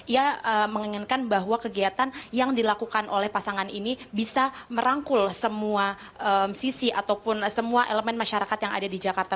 ia menginginkan bahwa kegiatan yang dilakukan oleh pasangan ini bisa merangkul semua sisi ataupun semua elemen masyarakat yang ada di jakarta